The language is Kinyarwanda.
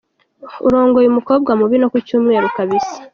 Urongoye umukobwa mubi no ku cyumweru kabisa!".